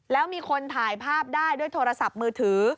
แล้วมีคนถ่ายภาพได้ด้วยโทรศัพท์มือถือ